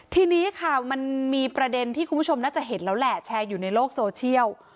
ทีนี้ค่ะมันมีประเด็นที่คุณผู้ชมน่าจะเห็นแล้วแหละแชร์อยู่ในโลกโซเชียล